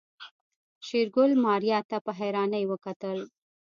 شېرګل ماريا ته په حيرانۍ وکتل.